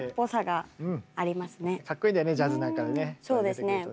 そうですね